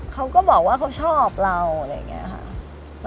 เขาก็บอกว่าเขาชอบเราอะไรอย่างนี้ค่ะ